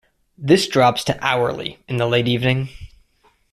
This drops to hourly in the late evening.